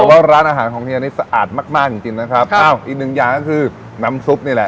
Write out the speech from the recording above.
แต่ว่าร้านอาหารของเฮียนี่สะอาดมากมากจริงจริงนะครับอ้าวอีกหนึ่งอย่างก็คือน้ำซุปนี่แหละ